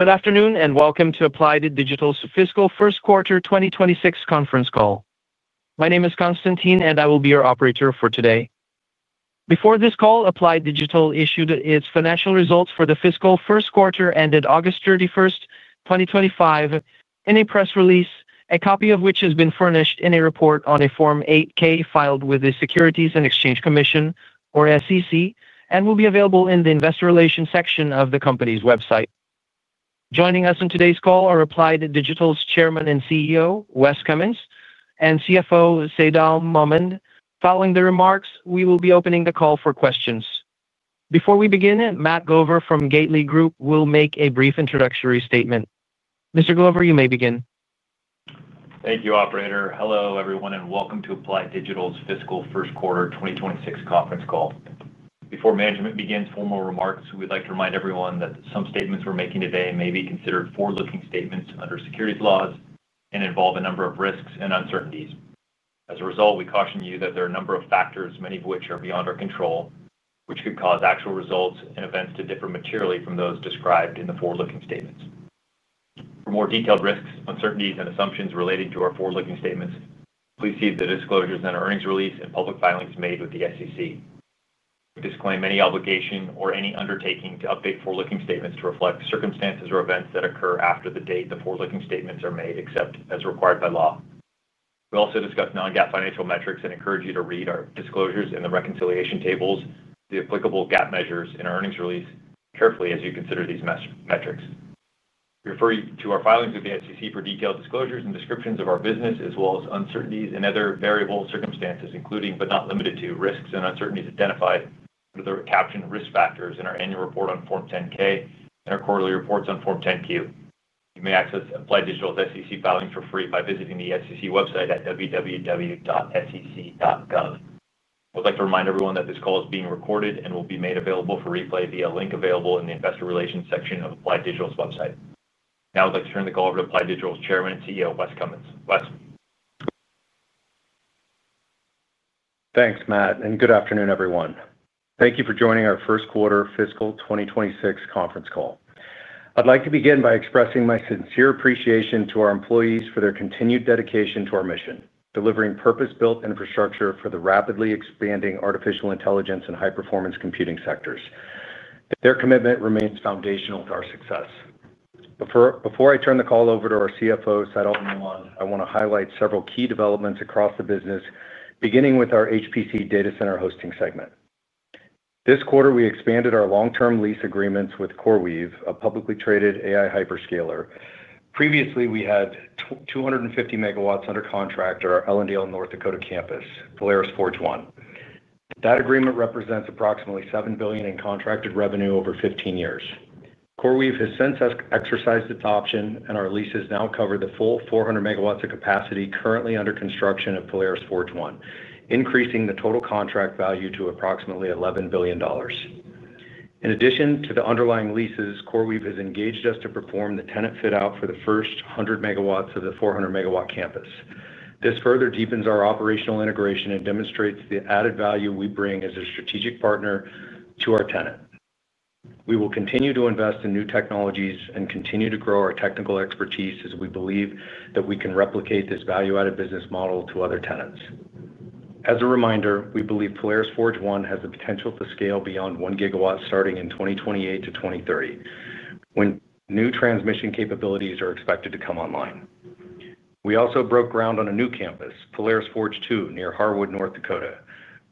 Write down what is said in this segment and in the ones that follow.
Good afternoon and welcome to Applied Digital's fiscal first quarter 2026 conference call. My name is Constantine, and I will be your operator for today. Before this call, Applied Digital issued its financial results for the fiscal first quarter ended August 31, 2025, in a press release, a copy of which has been furnished in a report on a Form 8-K filed with the Securities and Exchange Commission, or SEC, and will be available in the Investor Relations section of the company's website. Joining us on today's call are Applied Digital's Chairman and CEO, Wes Cummins, and CFO, Saidal Mohmand. Following the remarks, we will be opening the call for questions. Before we begin, Matt Glover from Gateway Group will make a brief introductory statement. Mr. Glover, you may begin. Thank you, Operator. Hello everyone, and welcome to Applied Digital's fiscal first quarter 2026 conference call. Before management begins formal remarks, we'd like to remind everyone that some statements we're making today may be considered forward-looking statements under securities laws and involve a number of risks and uncertainties. As a result, we caution you that there are a number of factors, many of which are beyond our control, which could cause actual results and events to differ materially from those described in the forward-looking statements. For more detailed risks, uncertainties, and assumptions related to our forward-looking statements, please see the disclosures and earnings release and public filings made with the SEC. We disclaim any obligation or any undertaking to update forward-looking statements to reflect circumstances or events that occur after the date the forward-looking statements are made, except as required by law. We also discuss non-GAAP financial metrics and encourage you to read our disclosures and the reconciliation tables, the applicable GAAP measures, and our earnings release carefully as you consider these metrics. We refer you to our filings with the SEC for detailed disclosures and descriptions of our business, as well as uncertainties and other variable circumstances, including but not limited to risks and uncertainties identified under the captioned risk factors in our annual report on Form 10-K and our quarterly reports on Form 10-Q. You may access Applied Digital's SEC filings for free by visiting the SEC website at www.sec.gov. I would like to remind everyone that this call is being recorded and will be made available for replay via link available in the Investor Relations section of Applied Digital's website. Now I'd like to turn the call over to Applied Digital's Chairman and CEO, Wes Cummins. Wes. Thanks, Matt, and good afternoon everyone. Thank you for joining our first quarter fiscal 2026 conference call. I'd like to begin by expressing my sincere appreciation to our employees for their continued dedication to our mission, delivering purpose-built infrastructure for the rapidly expanding artificial intelligence and high-performance computing sectors. Their commitment remains foundational to our success. Before I turn the call over to our CFO, Saidal Mohmand, I want to highlight several key developments across the business, beginning with our HPC data center hosting segment. This quarter, we expanded our long-term lease agreements with CoreWeave, a publicly traded AI hyperscaler. Previously, we had 250 MW under contract at our Ellendale, North Dakota campus, Polaris Forge 1. That agreement represents approximately $7 billion in contracted revenue over 15 years. CoreWeave has since exercised its option, and our leases now cover the full 400 MW of capacity currently under construction at Polaris Forge 1, increasing the total contract value to approximately $11 billion. In addition to the underlying leases, CoreWeave has engaged us to perform the tenant fit-out for the first 100 MW of the 400 MW campus. This further deepens our operational integration and demonstrates the added value we bring as a strategic partner to our tenant. We will continue to invest in new technologies and continue to grow our technical expertise as we believe that we can replicate this value-added business model to other tenants. As a reminder, we believe Polaris Forge 1 has the potential to scale beyond 1 GW starting in 2028 to 2030 when new transmission capabilities are expected to come online. We also broke ground on a new campus, Polaris Forge 2, near Harwood, North Dakota,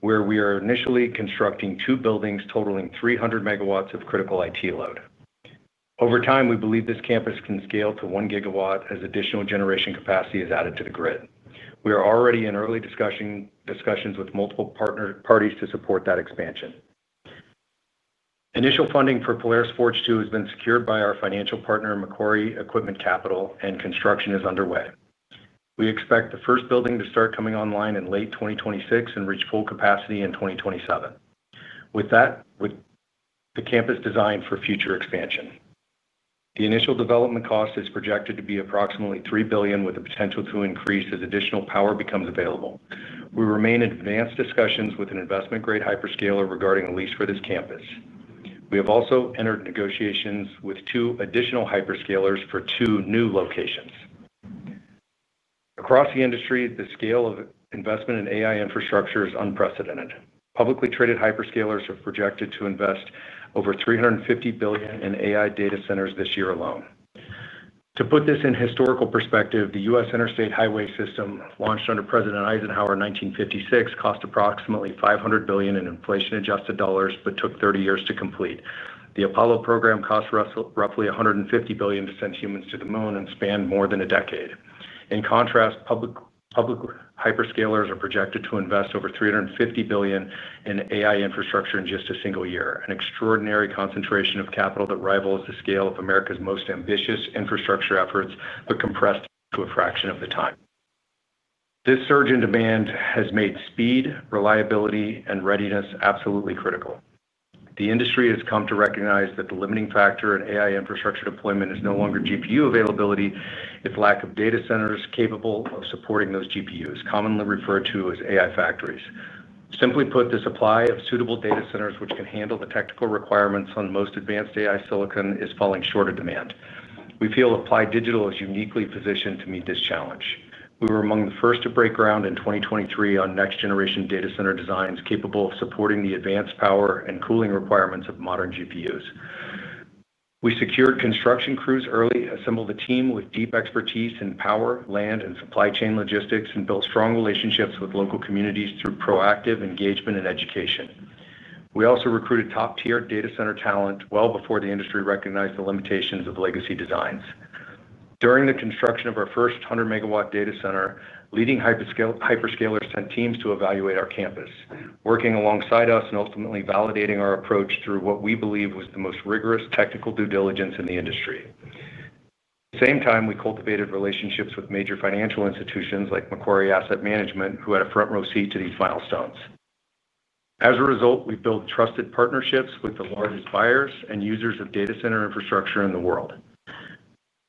where we are initially constructing two buildings totaling 300 MW of critical IT load. Over time, we believe this campus can scale to 1 GW as additional generation capacity is added to the grid. We are already in early discussions with multiple parties to support that expansion. Initial funding for Polaris Forge 2 has been secured by our financial partner, Macquarie Equipment Capital, and construction is underway. We expect the first building to start coming online in late 2026 and reach full capacity in 2027. With that, the campus is designed for future expansion. The initial development cost is projected to be approximately $3 billion with a potential to increase as additional power becomes available. We remain in advanced discussions with an investment-grade hyperscaler regarding a lease for this campus. We have also entered negotiations with two additional hyperscalers for two new locations. Across the industry, the scale of investment in AI infrastructure is unprecedented. Publicly traded hyperscalers have projected to invest over $350 billion in AI data centers this year alone. To put this in historical perspective, the U.S. Interstate Highway System, launched under President Eisenhower in 1956, cost approximately $500 billion in inflation-adjusted dollars but took 30 years to complete. The Apollo program cost roughly $150 billion to send humans to the moon and spanned more than a decade. In contrast, public hyperscalers are projected to invest over $350 billion in AI infrastructure in just a single year, an extraordinary concentration of capital that rivals the scale of America's most ambitious infrastructure efforts, but compressed to a fraction of the time. This surge in demand has made speed, reliability, and readiness absolutely critical. The industry has come to recognize that the limiting factor in AI infrastructure deployment is no longer GPU availability, it's lack of data centers capable of supporting those GPUs, commonly referred to as AI factories. Simply put, the supply of suitable data centers which can handle the technical requirements on most advanced AI silicon is falling short of demand. We feel Applied Digital is uniquely positioned to meet this challenge. We were among the first to break ground in 2023 on next-generation data center designs capable of supporting the advanced power and cooling requirements of modern GPUs. We secured construction crews early, assembled a team with deep expertise in power, land, and supply chain logistics, and built strong relationships with local communities through proactive engagement and education. We also recruited top-tier data center talent well before the industry recognized the limitations of legacy designs. During the construction of our first 100 MW data center, leading hyperscalers sent teams to evaluate our campus, working alongside us and ultimately validating our approach through what we believe was the most rigorous technical due diligence in the industry. At the same time, we cultivated relationships with major financial institutions like Macquarie Asset Management, who had a front-row seat to these milestones. As a result, we've built trusted partnerships with the largest buyers and users of data center infrastructure in the world.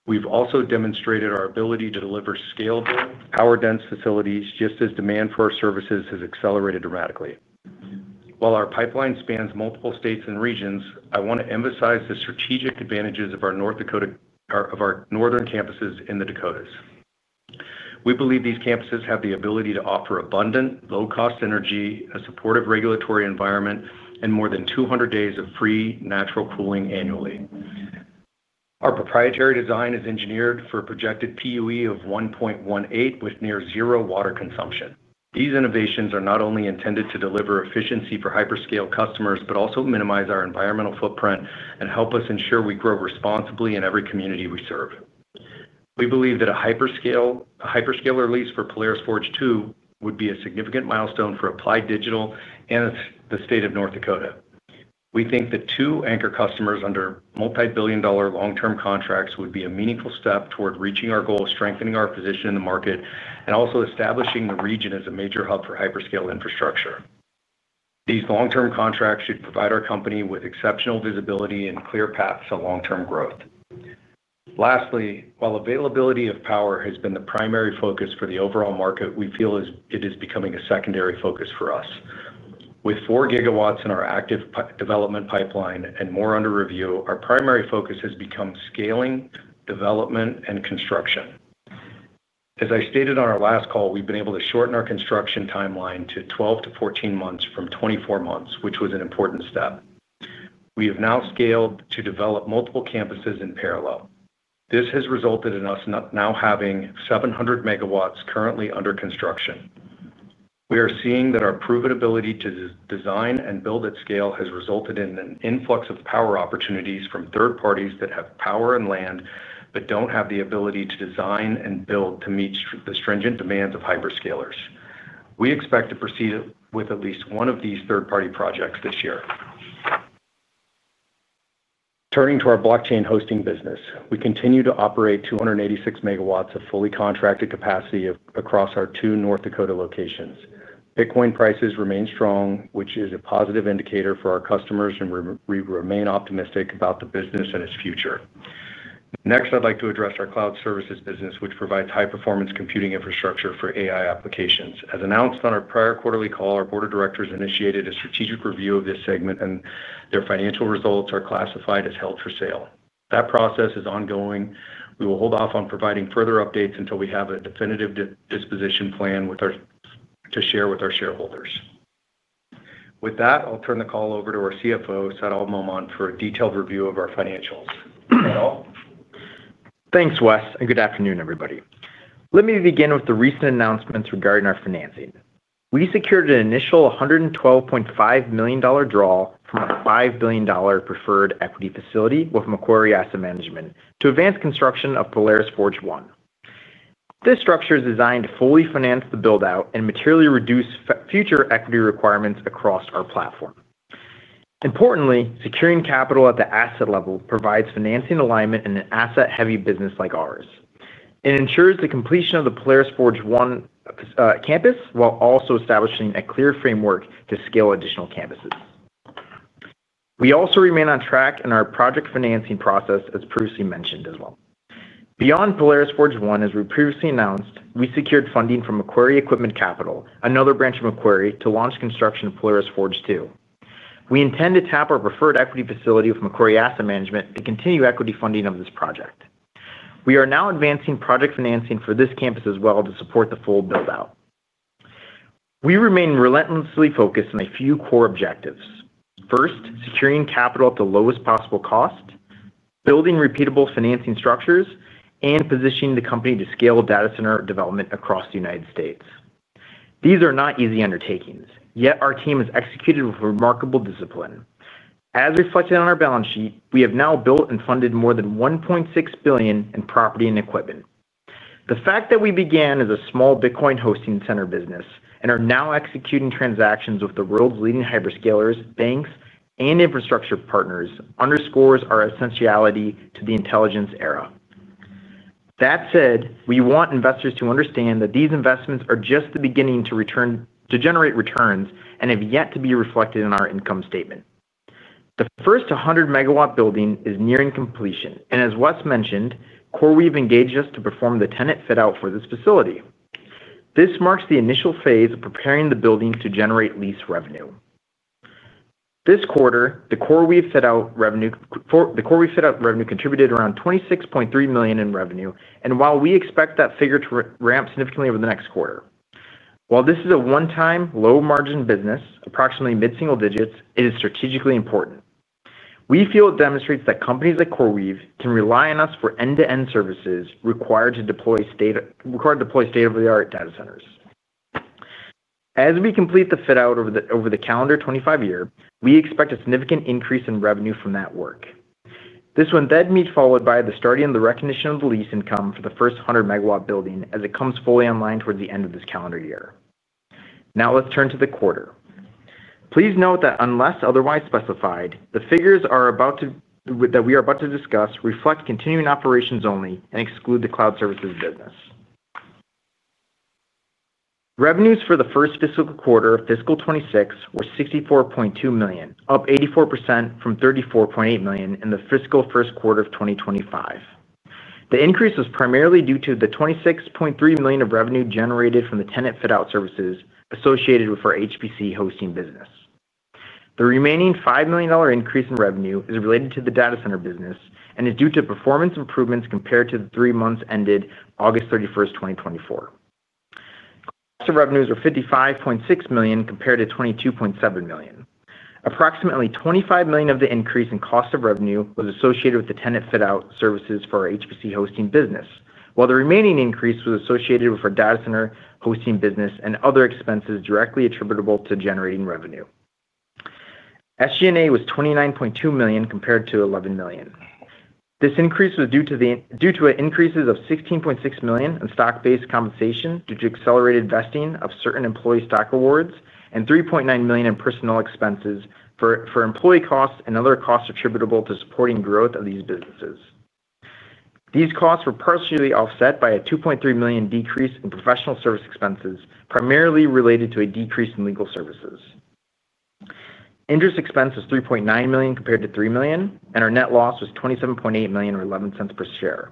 We've also demonstrated our ability to deliver scaled, power-dense facilities just as demand for our services has accelerated dramatically. While our pipeline spans multiple states and regions, I want to emphasize the strategic advantages of our Northern campuses in the Dakotas. We believe these campuses have the ability to offer abundant, low-cost energy, a supportive regulatory environment, and more than 200 days of free natural cooling annually. Our proprietary design is engineered for a projected PUE of 1.18 with near zero water consumption. These innovations are not only intended to deliver efficiency for hyperscale customers, but also minimize our environmental footprint and help us ensure we grow responsibly in every community we serve. We believe that a hyperscaler lease for Polaris Forge 2 would be a significant milestone for Applied Digital and the state of North Dakota. We think that two anchor customers under multi-billion dollar long-term contracts would be a meaningful step toward reaching our goal of strengthening our position in the market and also establishing the region as a major hub for hyperscale infrastructure. These long-term contracts should provide our company with exceptional visibility and clear paths to long-term growth. Lastly, while availability of power has been the primary focus for the overall market, we feel it is becoming a secondary focus for us. With 4 GW in our active development pipeline and more under review, our primary focus has become scaling, development, and construction. As I stated on our last call, we've been able to shorten our construction timeline to 12-14 months from 24 months, which was an important step. We have now scaled to develop multiple campuses in parallel. This has resulted in us now having 700 MW currently under construction. We are seeing that our provability to design and build at scale has resulted in an influx of power opportunities from third parties that have power and land but don't have the ability to design and build to meet the stringent demands of hyperscalers. We expect to proceed with at least one of these third-party projects this year. Turning to our blockchain hosting business, we continue to operate 286 MW of fully contracted capacity across our two North Dakota locations. Bitcoin prices remain strong, which is a positive indicator for our customers, and we remain optimistic about the business and its future. Next, I'd like to address our cloud services business, which provides high-performance computing infrastructure for AI applications. As announced on our prior quarterly call, our Board of Directors initiated a strategic review of this segment, and their financial results are classified as held for sale. That process is ongoing. We will hold off on providing further updates until we have a definitive disposition plan to share with our shareholders. With that, I'll turn the call over to our CFO, Saidal Mohmand, for a detailed review of our financials. Thanks, Wes, and good afternoon, everybody. Let me begin with the recent announcements regarding our financing. We secured an initial $112.5 million draw from a $5 billion preferred equity facility with Macquarie Asset Management to advance construction of Polaris Forge 1. This structure is designed to fully finance the build-out and materially reduce future equity requirements across our platform. Importantly, securing capital at the asset level provides financing alignment in an asset-heavy business like ours. It ensures the completion of the Polaris Forge 1 campus while also establishing a clear framework to scale additional campuses. We also remain on track in our project financing process, as previously mentioned as well. Beyond Polaris Forge 1, as we previously announced, we secured funding from Macquarie Equipment Capital, another branch of Macquarie, to launch construction of Polaris Forge 2. We intend to tap our preferred equity facility with Macquarie Asset Management to continue equity funding of this project. We are now advancing project financing for this campus as well to support the full build-out. We remain relentlessly focused on a few core objectives. First, securing capital at the lowest possible cost, building repeatable financing structures, and positioning the company to scale data center development across the United States. These are not easy undertakings, yet our team has executed with remarkable discipline. As reflected on our balance sheet, we have now built and funded more than $1.6 billion in property and equipment. The fact that we began as a small Bitcoin hosting center business and are now executing transactions with the world's leading hyperscalers, banks, and infrastructure partners underscores our essentiality to the intelligence era. That said, we want investors to understand that these investments are just the beginning to generate returns and have yet to be reflected in our income statement. The first 100-MW building is nearing completion, and as Wes mentioned, CoreWeave engaged us to perform the tenant fit-out for this facility. This marks the initial phase of preparing the buildings to generate lease revenue. This quarter, the CoreWeave fit-out revenue contributed around $26.3 million in revenue, and while we expect that figure to ramp significantly over the next quarter. While this is a one-time low-margin business, approximately mid-single digits, it is strategically important. We feel it demonstrates that companies like CoreWeave can rely on us for end-to-end services required to deploy state-of-the-art data centers. As we complete the fit-out over the calendar 2025 year, we expect a significant increase in revenue from that work. This would then be followed by the starting of the recognition of the lease income for the first 100 MW building as it comes fully online towards the end of this calendar year. Now let's turn to the quarter. Please note that unless otherwise specified, the figures that we are about to discuss reflect continuing operations only and exclude the cloud services business. Revenues for the first fiscal quarter of fiscal 2026 were $64.2 million, up 84% from $34.8 million in the fiscal first quarter of 2025. The increase was primarily due to the $26.3 million of revenue generated from the tenant fit-out services associated with our HPC hosting business. The remaining $5 million increase in revenue is related to the data center business and is due to performance improvements compared to the three months ended August 31, 2024. Revenues were $55.6 million compared to $22.7 million. Approximately $25 million of the increase in cost of revenue was associated with the tenant fit-out services for our HPC hosting business, while the remaining increase was associated with our data center hosting business and other expenses directly attributable to generating revenue. SG&A was $29.2 million compared to $11 million. This increase was due to increases of $16.6 million in stock-based compensation due to accelerated vesting of certain employee stock awards and $3.9 million in personnel expenses for employee costs and other costs attributable to supporting growth of these businesses. These costs were partially offset by a $2.3 million decrease in professional service expenses, primarily related to a decrease in legal services. Interest expense was $3.9 million compared to $3 million, and our net loss was $27.8 million or $0.11 per share.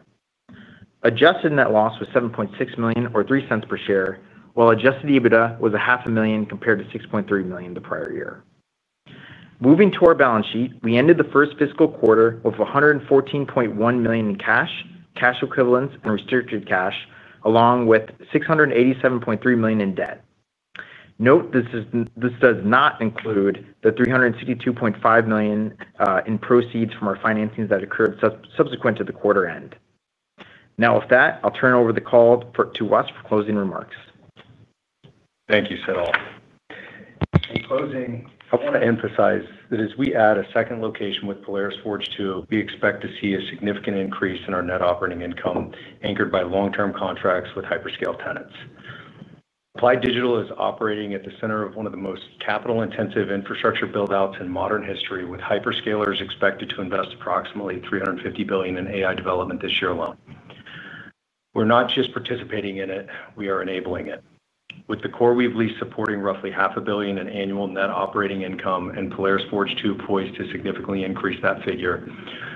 Adjusted net loss was $7.6 million or $0.03 per share, while adjusted EBITDA was $0.5 million compared to $6.3 million the prior year. Moving to our balance sheet, we ended the first fiscal quarter with $114.1 million in cash, cash equivalents, and restricted cash, along with $687.3 million in debt. Note this does not include the $362.5 million in proceeds from our financing that occurred subsequent to the quarter end. Now with that, I'll turn over the call to Wes for closing remarks. Thank you, Saidal. In closing, I want to emphasize that as we add a second location with Polaris Forge 2, we expect to see a significant increase in our net operating income anchored by long-term contracts with hyperscale tenants. Applied Digital is operating at the center of one of the most capital-intensive infrastructure build-outs in modern history, with hyperscalers expected to invest approximately $350 billion in AI development this year alone. We're not just participating in it; we are enabling it. With the CoreWeave lease supporting roughly half a billion in annual net operating income and Polaris Forge 2 poised to significantly increase that figure,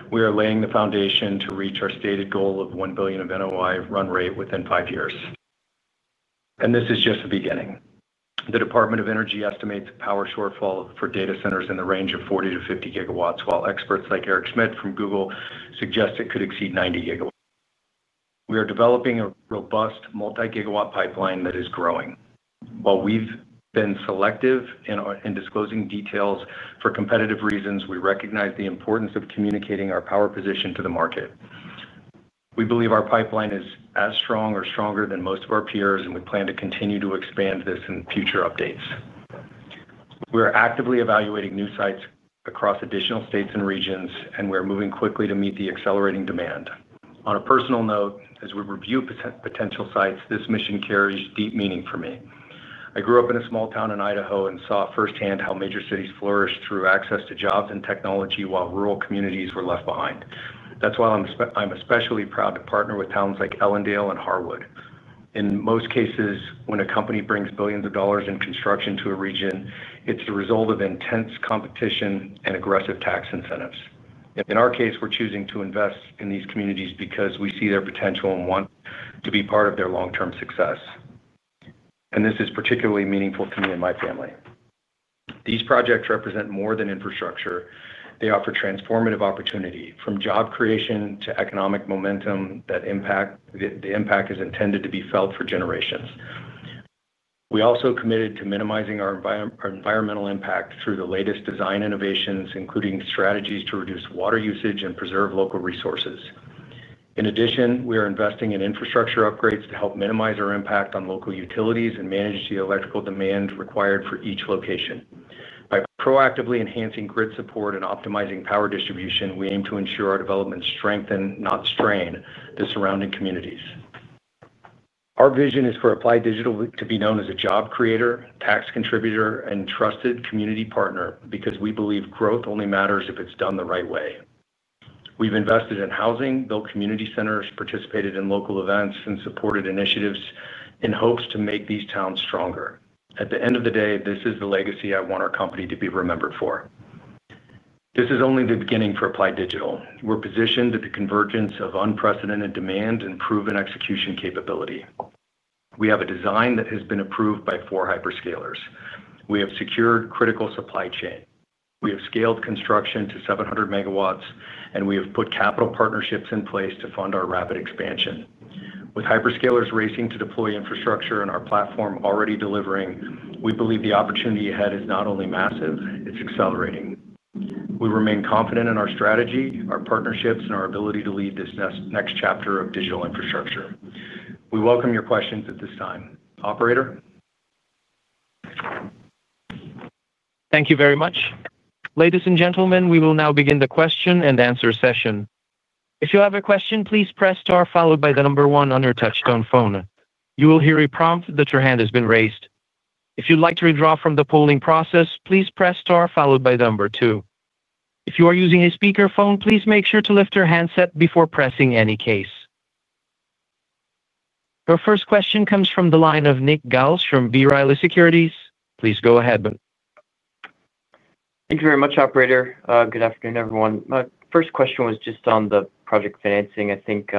we are laying the foundation to reach our stated goal of $1 billion of NOI run rate within five years. This is just the beginning. The Department of Energy estimates a power shortfall for data centers in the range of 40 GW-50 GW, while experts like Eric Schmidt from Google suggest it could exceed 90 GW. We are developing a robust multi-gigawatt pipeline that is growing. While we've been selective in disclosing details for competitive reasons, we recognize the importance of communicating our power position to the market. We believe our pipeline is as strong or stronger than most of our peers, and we plan to continue to expand this in future updates. We are actively evaluating new sites across additional states and regions, and we are moving quickly to meet the accelerating demand. On a personal note, as we review potential sites, this mission carries deep meaning for me. I grew up in a small town in Idaho and saw firsthand how major cities flourished through access to jobs and technology while rural communities were left behind. That's why I'm especially proud to partner with towns like Ellendale and Harwood. In most cases, when a company brings billions of dollars in construction to a region, it's the result of intense competition and aggressive tax incentives. In our case, we're choosing to invest in these communities because we see their potential and want to be part of their long-term success. This is particularly meaningful to me and my family. These projects represent more than infrastructure; they offer transformative opportunity from job creation to economic momentum that impact the impact is intended to be felt for generations. We also committed to minimizing our environmental impact through the latest design innovations, including strategies to reduce water usage and preserve local resources. In addition, we are investing in infrastructure upgrades to help minimize our impact on local utilities and manage the electrical demand required for each location. By proactively enhancing grid support and optimizing power distribution, we aim to ensure our developments strengthen, not strain, the surrounding communities. Our vision is for Applied Digital to be known as a job creator, tax contributor, and trusted community partner because we believe growth only matters if it's done the right way. We've invested in housing, built community centers, participated in local events, and supported initiatives in hopes to make these towns stronger. At the end of the day, this is the legacy I want our company to be remembered for. This is only the beginning for Applied Digital. We're positioned at the convergence of unprecedented demand and proven execution capability. We have a design that has been approved by four hyperscalers. We have secured critical supply chain. We have scaled construction to 700 MW, and we have put capital partnerships in place to fund our rapid expansion. With hyperscalers racing to deploy infrastructure and our platform already delivering, we believe the opportunity ahead is not only massive, it's accelerating. We remain confident in our strategy, our partnerships, and our ability to lead this next chapter of digital infrastructure. We welcome your questions at this time. Operator? Thank you very much. Ladies and gentlemen, we will now begin the question and answer session. If you have a question, please press star followed by the number one on your touch-tone phone. You will hear a prompt that your hand has been raised. If you'd like to withdraw from the polling process, please press star followed by the number two. If you are using a speakerphone, please make sure to lift your handset before pressing any keys. Our first question comes from the line of Nick Giles from B. Riley Securities. Please go ahead. Thanks very much, Operator. Good afternoon, everyone. My first question was just on the project financing. I think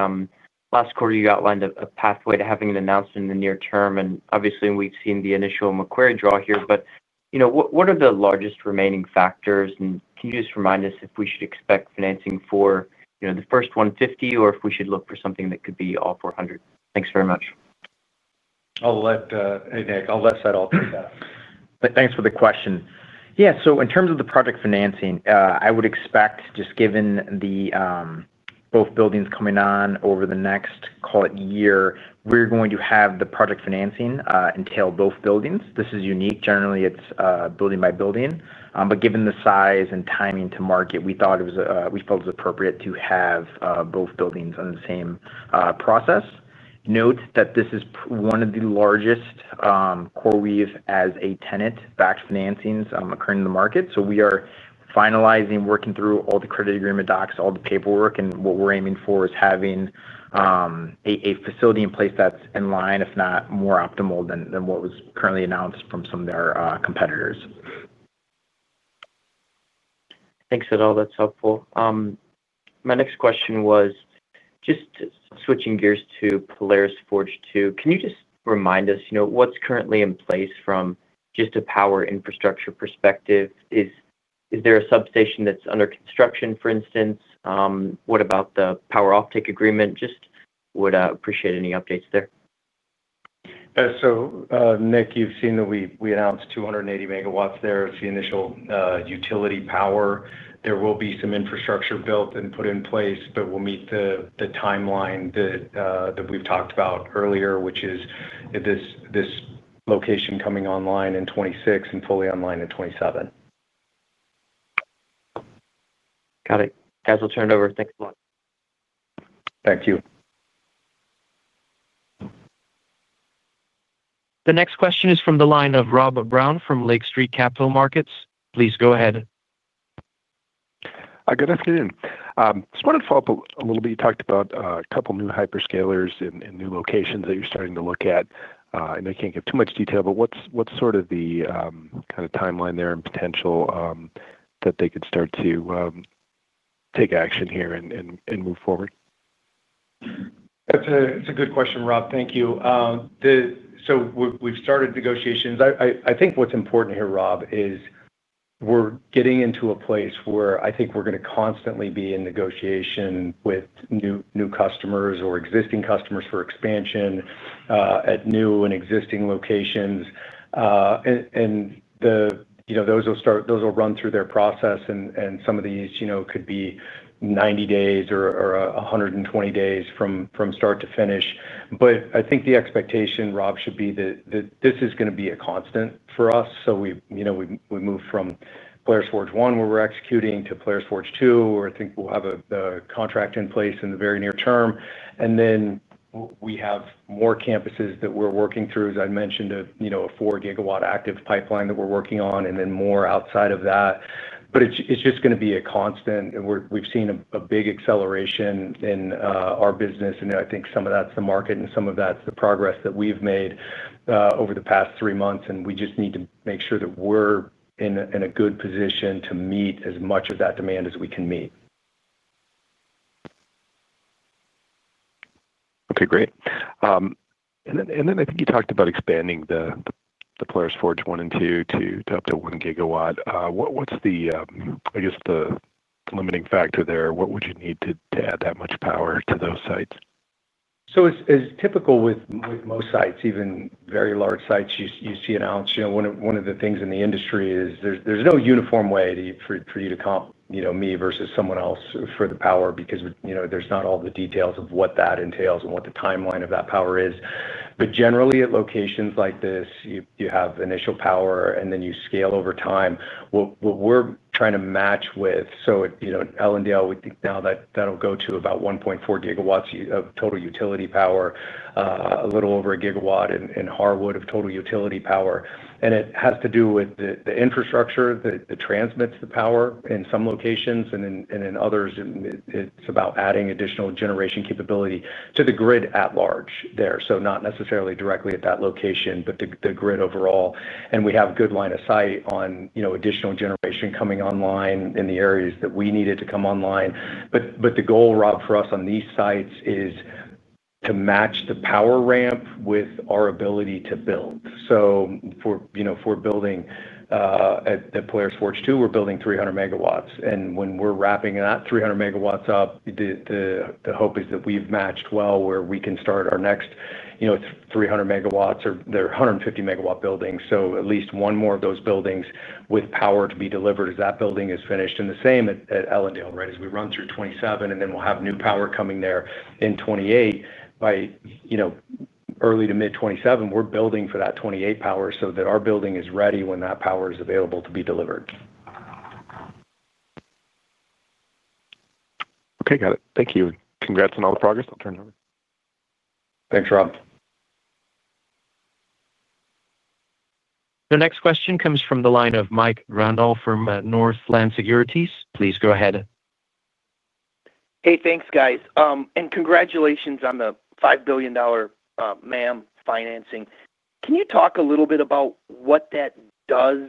last quarter you outlined a pathway to having it announced in the near term, and obviously we've seen the initial Macquarie draw here. What are the largest remaining factors? Can you just remind us if we should expect financing for the first $150 million or if we should look for something that could be all $400 million? Thanks very much. I'll let. Nick, I'll let Saidal do that. Thanks for the question. Yeah, in terms of the project financing, I would expect, just given both buildings coming on over the next, call it, year, we're going to have the project financing entail both buildings. This is unique. Generally, it's building by building, but given the size and timing to market, we thought it was appropriate to have both buildings in the same process. Note that this is one of the largest CoreWeave as a tenant-backed financings occurring in the market, so we are finalizing, working through all the credit agreement docs, all the paperwork, and what we're aiming for is having a facility in place that's in line, if not more optimal than what was currently announced from some of their competitors. Thanks, Saidal. That's helpful. My next question was just switching gears to Polaris Forge 2. Can you just remind us, you know, what's currently in place from just a power infrastructure perspective? Is there a substation that's under construction, for instance? What about the power offtake agreement? Just would appreciate any updates there. Nick, you've seen that we announced 280 MW there as the initial utility power. There will be some infrastructure built and put in place, but we'll meet the timeline that we've talked about earlier, which is this location coming online in 2026 and fully online in 2027. Got it. Guys, we'll turn it over. Thanks a lot. Thank you. The next question is from the line of Rob Brown from Lake Street Capital Markets. Please go ahead. Good afternoon. I just wanted to follow up a little bit. You talked about a couple new hyperscalers in new locations that you're starting to look at, and I can't give too much detail, but what's sort of the kind of timeline there and potential that they could start to take action here and move forward? That's a good question, Rob. Thank you. We've started negotiations. I think what's important here, Rob, is we're getting into a place where I think we're going to constantly be in negotiation with new customers or existing customers for expansion at new and existing locations. Those will run through their process, and some of these could be 90 days or 120 days from start to finish. I think the expectation, Rob, should be that this is going to be a constant for us. We move from Polaris Forge 1 where we're executing to Polaris Forge 2, where I think we'll have a contract in place in the very near term. We have more campuses that we're working through, as I mentioned, a four-GW active pipeline that we're working on, and then more outside of that. It's just going to be a constant, and we've seen a big acceleration in our business. I think some of that's the market and some of that's the progress that we've made over the past three months, and we just need to make sure that we're in a good position to meet as much of that demand as we can meet. Okay, great. I think you talked about expanding the Polaris Forge 1 and 2 to up to 1 GW. What's the, I guess, the limiting factor there? What would you need to add that much power to those sites? As typical with most sites, even very large sites, you see an ounce. One of the things in the industry is there's no uniform way for you to comp, you know, me versus someone else for the power because there's not all the details of what that entails and what the timeline of that power is. Generally, at locations like this, you have initial power and then you scale over time. What we're trying to match with, at Ellendale, we think now that that'll go to about 1.4 GW of total utility power, a little over 1 GW in Harwood of total utility power. It has to do with the infrastructure that transmits the power in some locations and in others, and it's about adding additional generation capability to the grid at large there. Not necessarily directly at that location, but the grid overall. We have a good line of sight on additional generation coming online in the areas that we need it to come online. The goal, Rob, for us on these sites is to match the power ramp with our ability to build. For building at Polaris Forge 2, we're building 300 MW. When we're wrapping that 300 MW up, the hope is that we've matched well where we can start our next 300 MW or the 150 MW building. At least one more of those buildings with power to be delivered as that building is finished. The same at Ellendale, right? As we run through 2027, and then we'll have new power coming there in 2028. By early to mid 2027, we're building for that 2028 power so that our building is ready when that power is available to be delivered. Okay, got it. Thank you. Congrats on all the progress. I'll turn it over. Thanks, Rob. The next question comes from the line of Mike Grondahl from Northland Securities. Please go ahead. Hey, thanks, guys. Congratulations on the $5 billion Macquarie Asset Management financing. Can you talk a little bit about what that does,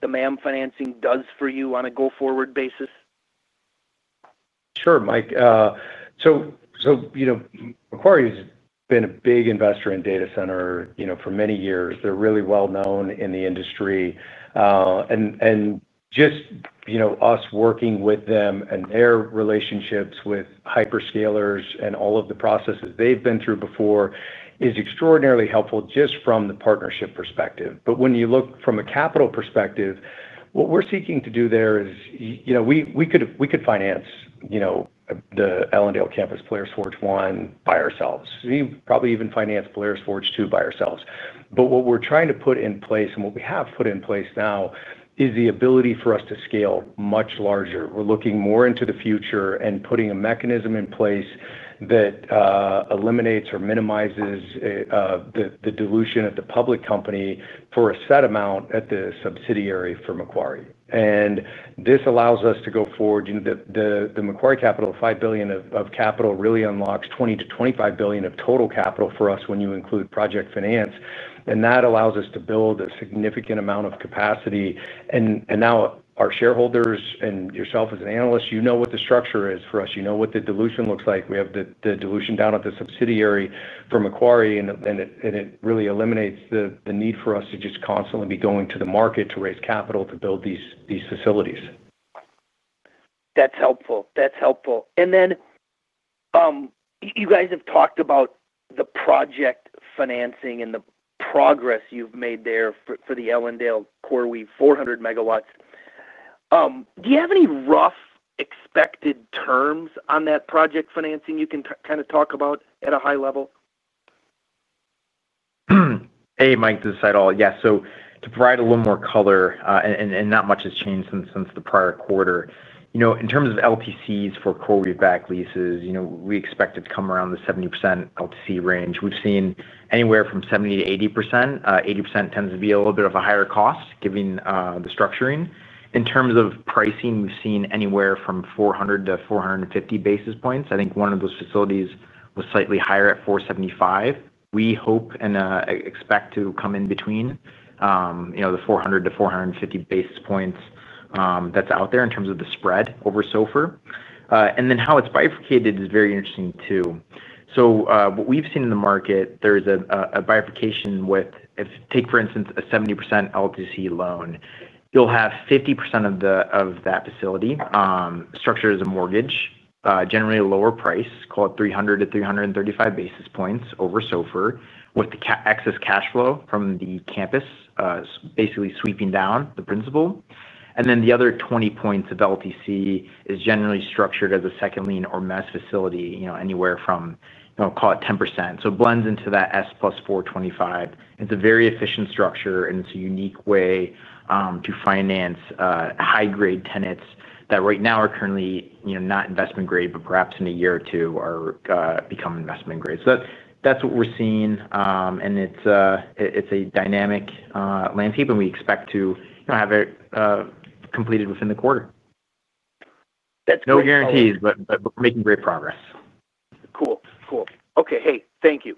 the Macquarie Asset Management financing does for you on a go-forward basis? Sure, Mike. Macquarie has been a big investor in data centers for many years. They're really well known in the industry. Us working with them and their relationships with hyperscalers and all of the processes they've been through before is extraordinarily helpful just from the partnership perspective. When you look from a capital perspective, what we're seeking to do there is, we could finance the Ellendale campus, Polaris Forge 1, by ourselves. We could probably even finance Polaris Forge 2 by ourselves. What we're trying to put in place and what we have put in place now is the ability for us to scale much larger. We're looking more into the future and putting a mechanism in place that eliminates or minimizes the dilution at the public company for a set amount at the subsidiary for Macquarie. This allows us to go forward. The Macquarie capital, the $5 billion of capital, really unlocks $20 tbillion-$25 billion of total capital for us when you include project finance. That allows us to build a significant amount of capacity. Now our shareholders and yourself as an analyst know what the structure is for us. You know what the dilution looks like. We have the dilution down at the subsidiary for Macquarie, and it really eliminates the need for us to just constantly be going to the market to raise capital to build these facilities. That's helpful. You guys have talked about the project financing and the progress you've made there for the Ellendale CoreWeave 400 MW. Do you have any rough expected terms on that project financing you can kind of talk about at a high level? Hey, Mike, this is Saidal. Yes, to provide a little more color, not much has changed since the prior quarter in terms of LTCs for CoreWeave backed leases. We expect it to come around the 70% LTC range. We've seen anywhere from 70%-80%. 80% tends to be a little bit of a higher cost given the structuring. In terms of pricing, we've seen anywhere from 400-450 basis points. I think one of those facilities was slightly higher at 475. We hope and expect to come in between the 400-450 basis points that's out there in terms of the spread over SOFR. How it's bifurcated is very interesting too. What we've seen in the market, there's a bifurcation with, if you take, for instance, a 70% LTC loan, you'll have 50% of that facility structured as a mortgage, generally a lower price, call it 300-335 basis points over SOFR, with the excess cash flow from the campus basically sweeping down the principal. The other 20 points of LTC is generally structured as a second lien or mesh facility, anywhere from, call it 10%. It blends into that S plus 425. It's a very efficient structure, and it's a unique way to finance high-grade tenants that right now are currently not investment grade, but perhaps in a year or two become investment grade. That's what we're seeing, and it's a dynamic landscape, and we expect to have it completed within the quarter. No guarantees, but making great progress. Cool, cool. Okay, thank you.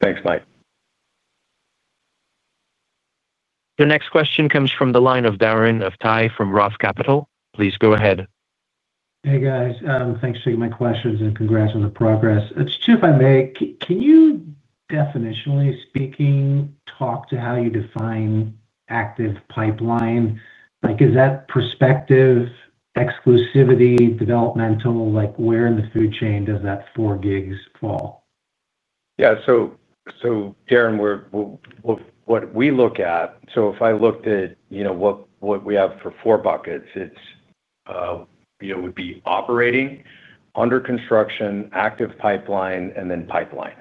Thanks, Mike. The next question comes from the line of Darren Aftahi from ROTH Capital Partners. Please go ahead. Hey guys, thanks for my questions and congrats on the progress. Just if I may, can you, definitionally speaking, talk to how you define active pipeline? Like, is that prospective, exclusivity, developmental? Like, where in the food chain does that four GW fall? Yeah, so Darren, what we look at, if I looked at what we have for four buckets, it's operating, under construction, active pipeline, and then pipeline.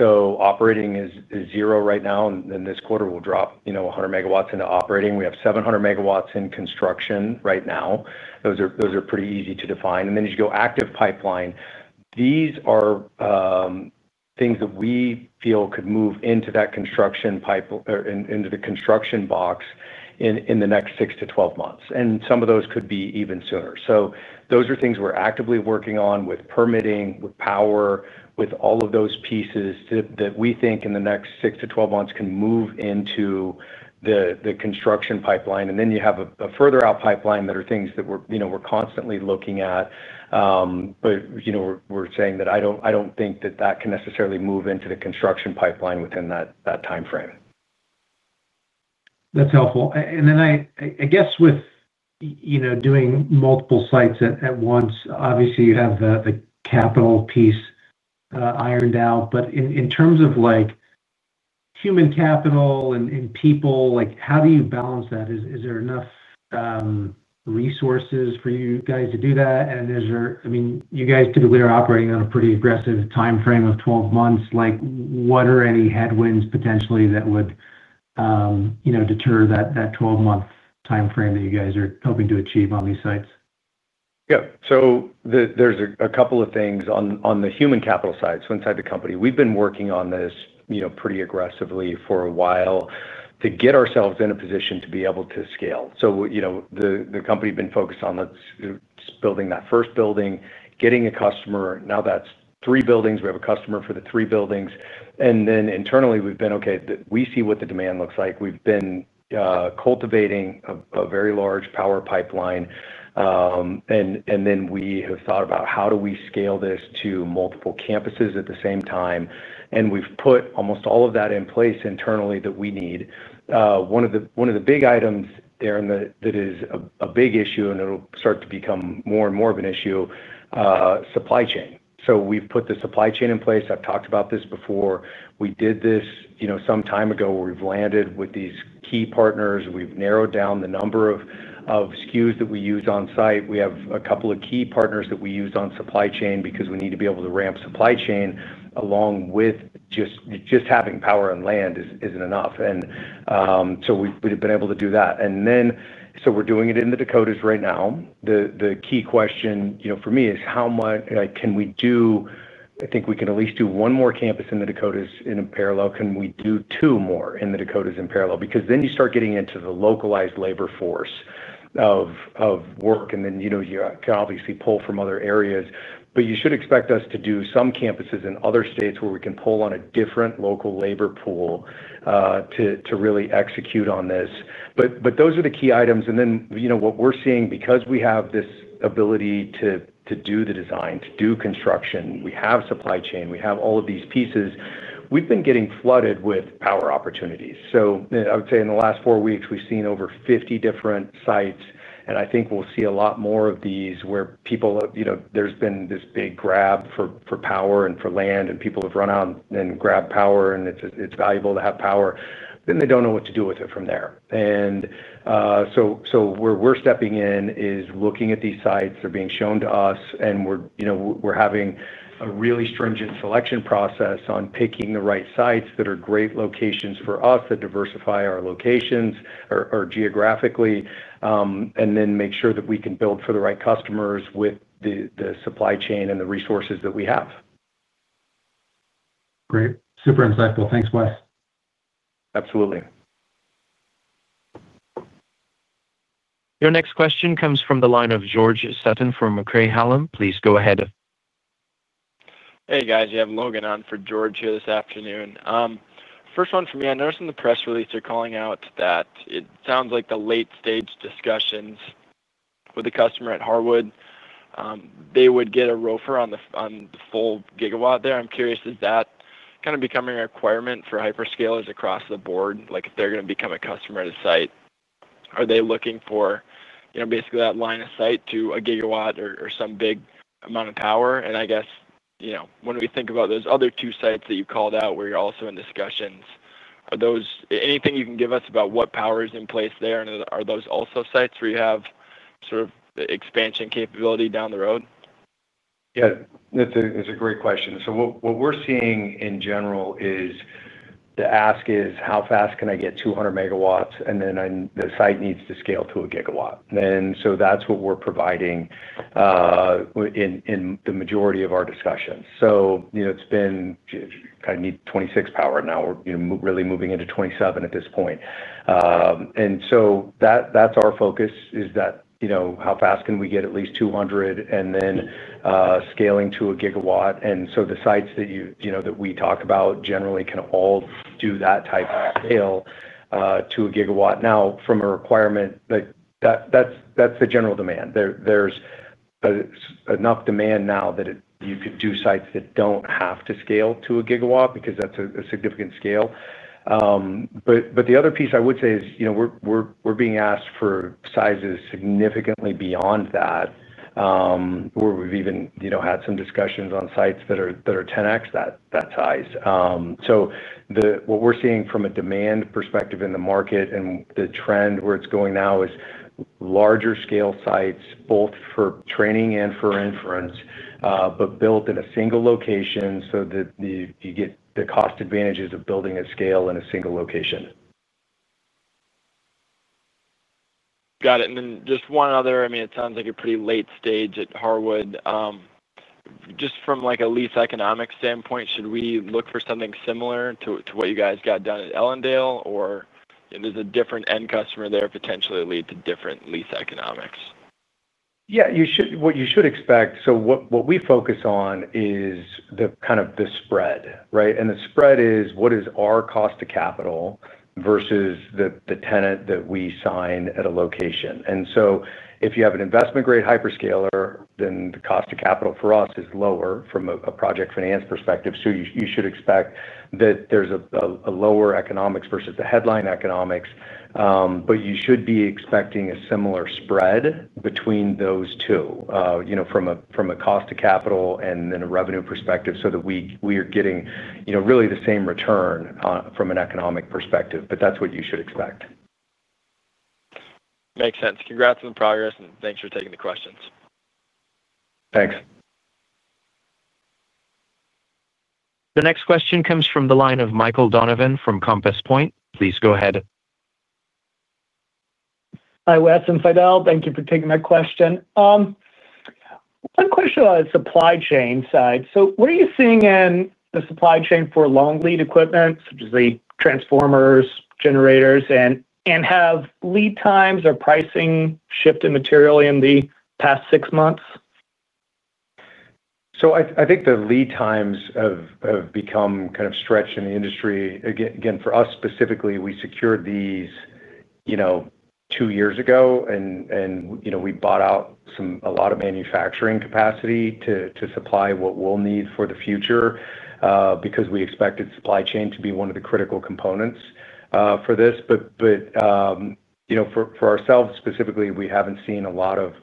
Operating is zero right now, and this quarter we'll drop 100 MW into operating. We have 700 MW in construction right now. Those are pretty easy to define. As you go active pipeline, these are things that we feel could move into that construction pipeline or into the construction box in the next six to 12 months. Some of those could be even sooner. Those are things we're actively working on with permitting, with power, with all of those pieces that we think in the next six to 12 months can move into the construction pipeline. Then you have a further out pipeline that are things that we're constantly looking at. We're saying that I don't think that that can necessarily move into the construction pipeline within that timeframe. That's helpful. I guess with, you know, doing multiple sites at once, obviously you have the capital piece ironed out. In terms of human capital and people, how do you balance that? Is there enough resources for you guys to do that? I mean, you guys typically are operating on a pretty aggressive timeframe of 12 months. What are any headwinds potentially that would deter that 12-month timeframe that you guys are hoping to achieve on these sites? Yeah, so there's a couple of things on the human capital side. Inside the company, we've been working on this pretty aggressively for a while to get ourselves in a position to be able to scale. The company has been focused on building that first building, getting a customer. Now that's three buildings. We have a customer for the three buildings. Internally, we've been, okay, we see what the demand looks like. We've been cultivating a very large power pipeline. We have thought about how do we scale this to multiple campuses at the same time. We've put almost all of that in place internally that we need. One of the big items there that is a big issue, and it'll start to become more and more of an issue, is supply chain. We've put the supply chain in place. I've talked about this before. We did this some time ago where we've landed with these key partners. We've narrowed down the number of SKUs that we use on site. We have a couple of key partners that we use on supply chain because we need to be able to ramp supply chain along with just having power and land isn't enough. We've been able to do that. We're doing it in the Dakotas right now. The key question for me is how much can we do? I think we can at least do one more campus in the Dakotas in parallel. Can we do two more in the Dakotas in parallel? Because then you start getting into the localized labor force of work. You can obviously pull from other areas. You should expect us to do some campuses in other states where we can pull on a different local labor pool to really execute on this. Those are the key items. What we're seeing because we have this ability to do the design, to do construction, we have supply chain, we have all of these pieces. We've been getting flooded with power opportunities. I would say in the last four weeks, we've seen over 50 different sites. I think we'll see a lot more of these where people, there's been this big grab for power and for land, and people have run out and grabbed power, and it's valuable to have power. Then they don't know what to do with it from there. Where we're stepping in is looking at these sites. They're being shown to us, and we're having a really stringent selection process on picking the right sites that are great locations for us that diversify our locations geographically, and then make sure that we can build for the right customers with the supply chain and the resources that we have. Great, super insightful. Thanks, Wes. Absolutely. Your next question comes from the line of George Sutton from Craig-Hallum Capital Group. Please go ahead. Hey guys, you have Logan on for George here this afternoon. First one for me, I noticed in the press release you're calling out that it sounds like the late-stage discussions with the customer at Harwood, they would get a roofer on the full gigawatts there. I'm curious, is that kind of becoming a requirement for hyperscalers across the board? If they're going to become a customer at a site, are they looking for, you know, basically that line of sight to 1 GW or some big amount of power? When we think about those other two sites that you called out where you're also in discussions, are those anything you can give us about what power is in place there? Are those also sites where you have sort of expansion capability down the road? Yeah, it's a great question. What we're seeing in general is the ask is how fast can I get 200 MW? The site needs to scale to 1 GW. That's what we're providing in the majority of our discussions. It's been kind of need 2026 power and now we're really moving into 2027 at this point. That's our focus, how fast can we get at least 200 MW and then scaling to 1 GW. The sites that we talk about generally can all do that type of scale to 1 GW. From a requirement, that's the general demand. There's enough demand now that you could do sites that don't have to scale to 1 GW because that's a significant scale. The other piece I would say is we're being asked for sizes significantly beyond that where we've even had some discussions on sites that are 10x that size. What we're seeing from a demand perspective in the market and the trend where it's going now is larger scale sites, both for training and for inference, but built in a single location so that you get the cost advantages of building at scale in a single location. Got it. Just one other, I mean, it sounds like a pretty late stage at Harwood. Just from a lease economics standpoint, should we look for something similar to what you guys got done at Ellendale, or does a different end customer there potentially lead to different lease economics? Yeah, what you should expect. What we focus on is the kind of the spread, right? The spread is what is our cost of capital versus the tenant that we sign at a location. If you have an investment-grade hyperscaler, then the cost of capital for us is lower from a project finance perspective. You should expect that there's a lower economics versus the headline economics. You should be expecting a similar spread between those two, you know, from a cost of capital and then a revenue perspective so that we are getting, you know, really the same return from an economic perspective. That's what you should expect. Makes sense. Congrats on the progress, and thanks for taking the questions. Thanks. The next question comes from the line of Michael Donovan from Compass Point. Please go ahead. Hi, Wes and Saidal. Thank you for taking that question. One question on the supply chain side. What are you seeing in the supply chain for long lead equipment such as the transformers, generators, and have lead times or pricing shifted materially in the past six months? I think the lead times have become kind of stretched in the industry. For us specifically, we secured these two years ago and we bought out a lot of manufacturing capacity to supply what we'll need for the future because we expected supply chain to be one of the critical components for this. For ourselves specifically, we haven't seen a lot of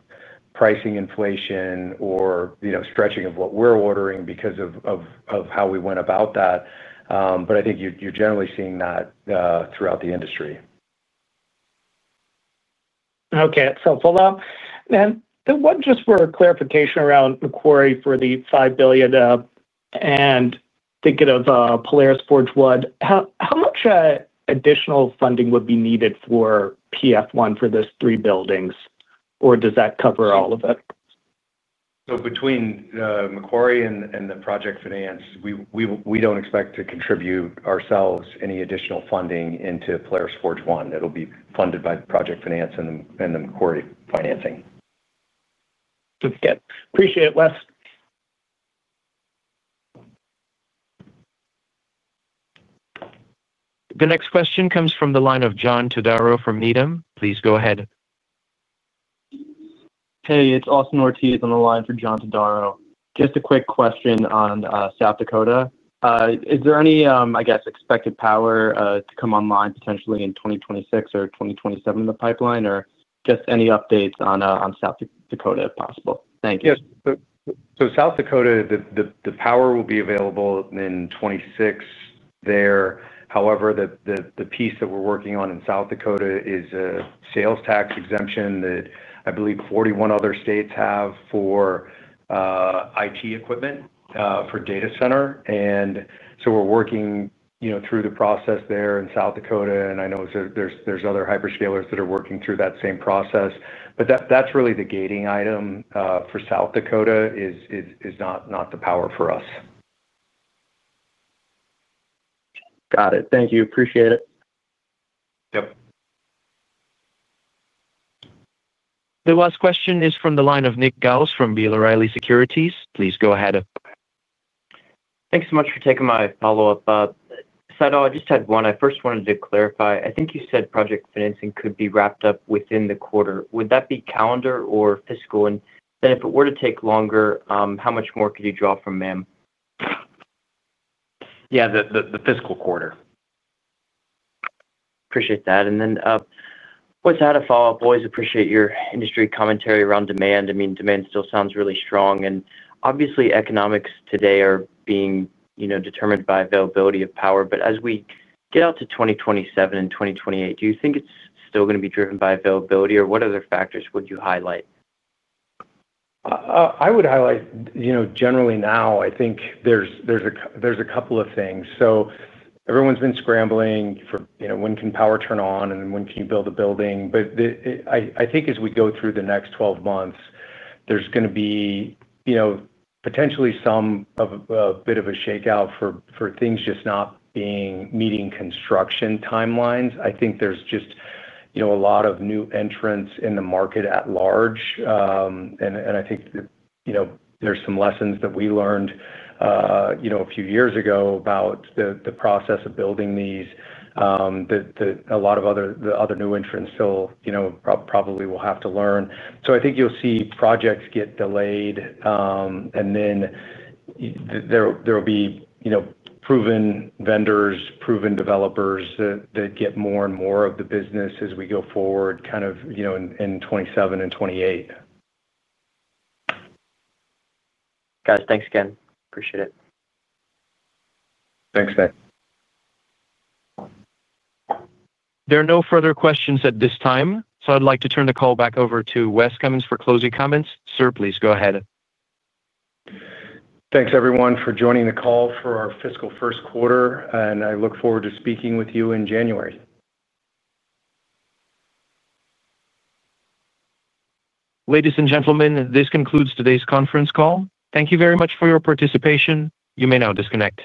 pricing inflation or stretching of what we're ordering because of how we went about that. I think you're generally seeing that throughout the industry. Okay, that's helpful. Just for clarification around Macquarie for the $5 billion and thinking of Polaris Forge 1, how much additional funding would be needed for PF1 for those three buildings, or does that cover all of it? Between Macquarie and the project finance, we don't expect to contribute ourselves any additional funding into Polaris Forge 1. It'll be funded by the project finance and the Macquarie financing. Good to get. Appreciate it, Wes. The next question comes from the line of John Todaro from Needham. Please go ahead. Hey, it's Austin Ortiz on the line for John Todaro. Just a quick question on South Dakota. Is there any expected power to come online potentially in 2026 or 2027 in the pipeline, or just any updates on South Dakota if possible? Thank you. Yes, so South Dakota, the power will be available in 2026 there. However, the piece that we're working on in South Dakota is a sales tax exemption that I believe 41 other states have for IT equipment for data centers. We're working through the process there in South Dakota. I know there are other hyperscalers that are working through that same process. That's really the gating item for South Dakota, it's not the power for us. Got it. Thank you. Appreciate it. Yep. The last question is from the line of Nick Giles from B. Riley Securities. Please go ahead. Thanks so much for taking my follow-up. Saidal, I just had one. I first wanted to clarify. I think you said project financing could be wrapped up within the quarter. Would that be calendar or fiscal? If it were to take longer, how much more could you draw from MAM? Yeah, the fiscal quarter. Appreciate that. I always had a follow-up. I always appreciate your industry commentary around demand. I mean, demand still sounds really strong. Obviously, economics today are being determined by availability of power. As we get out to 2027 and 2028, do you think it's still going to be driven by availability or what other factors would you highlight? I would highlight, generally now, I think there's a couple of things. Everyone's been scrambling for, you know, when can power turn on and when can you build a building? I think as we go through the next 12 months, there's going to be potentially some of a bit of a shakeout for things just not meeting construction timelines. I think there's just a lot of new entrants in the market at large. I think there are some lessons that we learned a few years ago about the process of building these that a lot of other new entrants still probably will have to learn. I think you'll see projects get delayed, and there will be proven vendors, proven developers that get more and more of the business as we go forward, kind of in 2027 and 2028. Guys, thanks again. Appreciate it. Thanks, man. There are no further questions at this time. I'd like to turn the call back over to Wes Cummins for closing comments. Thanks everyone for joining the call for our fiscal first quarter, and I look forward to speaking with you in January. Ladies and gentlemen, this concludes today's conference call. Thank you very much for your participation. You may now disconnect.